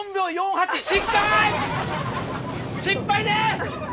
失敗です！